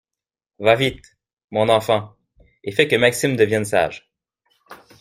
Va vite, mon enfant, et fais que Maxime devienne sage.